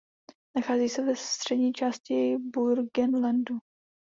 Nachází se ve střední části Burgenlandu.